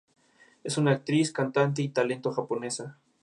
Es una actriz, cantante y talento japonesa.